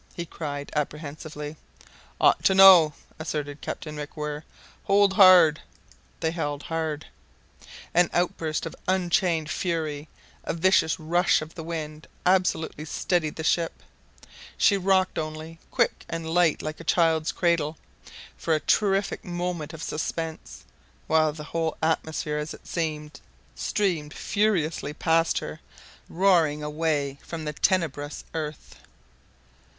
he cried, apprehensively. "Ought to know," asserted Captain MacWhirr. "Hold hard." They held hard. An outburst of unchained fury, a vicious rush of the wind absolutely steadied the ship; she rocked only, quick and light like a child's cradle, for a terrific moment of suspense, while the whole atmosphere, as it seemed, streamed furiously past her, roaring away from the tenebrous earth.